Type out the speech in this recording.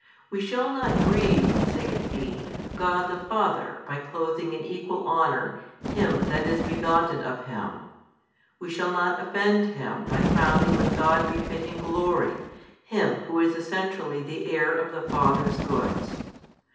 We shall not grieve (saith he) God the Father by clothing in equal honour Him That is begotten of Him, we shall not offend Him by crowning with God befitting Glory Him Who is Essentially the Heir of the Father's goods.